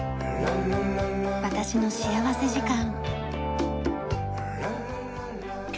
『私の幸福時間』。